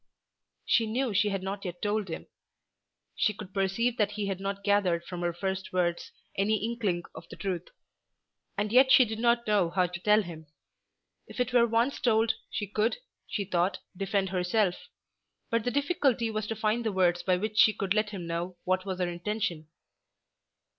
She knew she had not as yet told him. She could perceive that he had not gathered from her first words any inkling of the truth; and yet she did not know how to tell him. If it were once told she could, she thought, defend herself. But the difficulty was to find the words by which she could let him know what was her intention.